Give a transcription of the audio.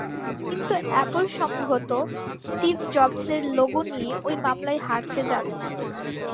কিন্তু অ্যাপল সম্ভবত স্টিভ জবসের লোগো নিয়ে ওই মামলায় হারতে যাচ্ছে।